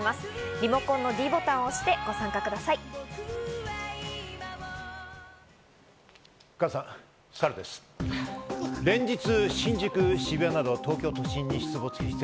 リモコンのｄボタンを押してご参加ください。